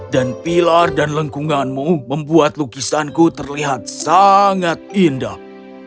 dan pilar dan lengkunganmu membuat lukisanku terlihat lebih baik